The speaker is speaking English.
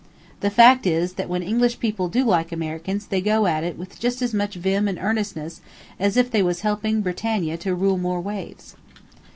The fact is, that when English people do like Americans they go at it with just as much vim and earnestness as if they was helping Britannia to rule more waves.